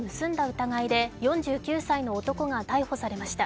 疑いで４９歳の男が逮捕されました。